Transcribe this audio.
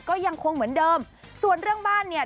ก็ยังคงเหมือนเดิมส่วนเรื่องบ้านเนี่ย